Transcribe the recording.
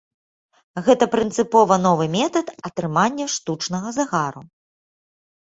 Гэта прынцыпова новы метад атрымання штучнага загару.